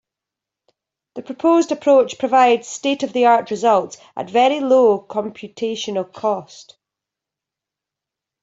The proposed approach provides state-of-the-art results at very low computational cost.